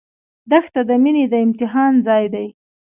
دښته د مینې د امتحان ځای دی.